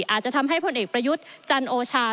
อาจจะทำให้ผลเอกประยุทธ์จันโอชา